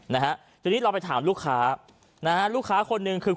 นะฮะทีนี้เราไปถามลูกค้านะฮะลูกค้าคนหนึ่งคือ